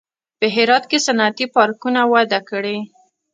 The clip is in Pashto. په هرات کې صنعتي پارکونه وده کړې